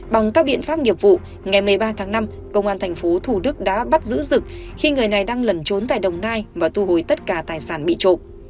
bằng các biện pháp nghiệp vụ ngày một mươi ba tháng năm công an thành phố thủ đức đã bắt giữ dực khi người này đang lẩn trốn tại đồng nai và thu hồi tất cả tài sản bị trộm